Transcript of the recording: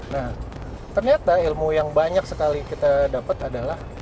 nah ternyata ilmu yang banyak sekali kita dapat adalah